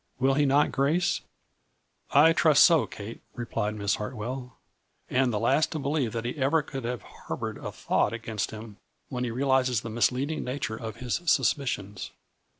Will he not, Grace ?'" I trust so, Kate," replied Miss Hartwell, " and the last to believe that he ever could have harbored a thought against him when he real izes the misleading nature of hia suspicions."